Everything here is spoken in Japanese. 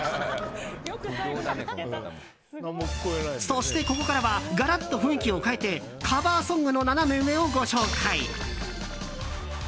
そして、ここからはがらっと雰囲気を変えてカバーソングのナナメ上をご紹介。